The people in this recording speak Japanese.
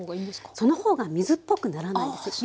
その方が水っぽくならないんですよ。